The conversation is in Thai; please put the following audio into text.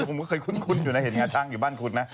ผมก็เคยคุ้นอยู่นะเห็นงาช้างอยู่บ้านคุณนะ